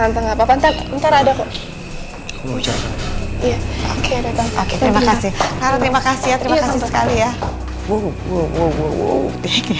oke terima kasih clara terima kasih ya terima kasih sekali ya